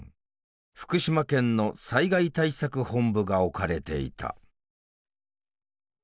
福島県の災害対策本部が置かれていた。